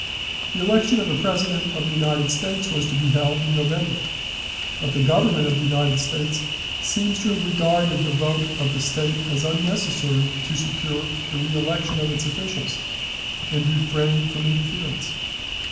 The election of a President of the United States was to be held in November, but the Government of the United States seems to have regarded the vote of the State as unnecessary to secure the reelection of its officials, and refrained from interference.